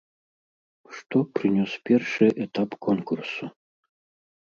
Што прынёс першы этап конкурсу?